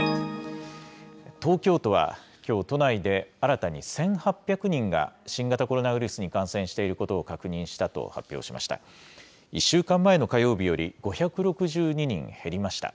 東京都は、きょう都内で新たに１８００人が新型コロナウイルスに感染していることを確認したと発表しました。